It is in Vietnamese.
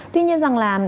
tuy nhiên rằng là